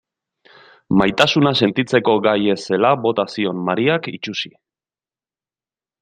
Maitasuna sentitzeko gai ez zela bota zion Mariak itsusi.